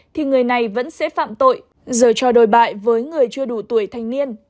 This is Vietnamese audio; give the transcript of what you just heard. thì người này vẫn sẽ phạm tội giờ cho đồi bại với người chưa đủ tuổi thành niên